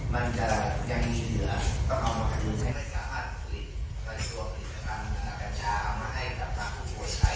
มันจะยังมีเหลือต้องเอามาขัดเงินให้กระทั่งภาษาธุรกิจและส่วนผลิตภัณฑ์กันชามาให้กับทางผู้ป่วยไทย